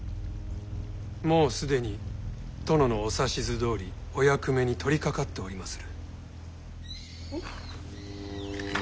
もう既に殿のお指図どおりお役目に取りかかっておりまする。